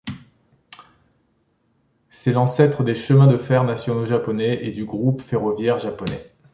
C'est l'ancêtre des chemins de fer nationaux japonais et du groupe ferroviaire japonais.